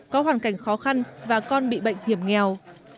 có hoàn cảnh khó khăn và con bị bệnh hiểm nghèo